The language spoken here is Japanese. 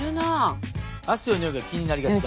「汗のにおいが気になりがちだ」。